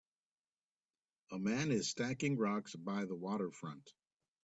A man is stacking rocks by the waterfront.